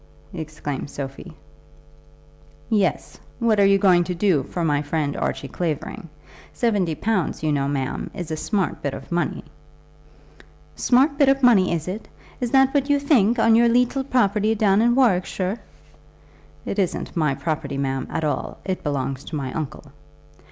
exclaimed Sophie. "Yes. What are you going to do for my friend Archie Clavering? Seventy pounds, you know, ma'am, is a smart bit of money!" "A smart bit of money, is it? That is what you think on your leetle property down in Warwickshire." "It isn't my property, ma'am, at all. It belongs to my uncle."